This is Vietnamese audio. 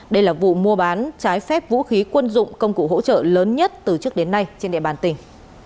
đây là vụ mua bán trái phép vũ khí quân dụng công cụ hỗ trợ lớn nhất từ trước đến nay trên địa bàn tỉnh